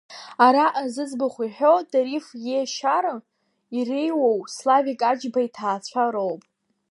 Араҟа зыӡбахә иҳәо, Таиф иешьара иреиуоу Славик Аџьба иҭаацәа роуп.